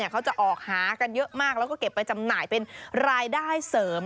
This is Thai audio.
เขาจะออกหากันเยอะมากแล้วก็เก็บไปจำหน่ายเป็นรายได้เสริม